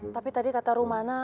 tapi tadi kata rumahnya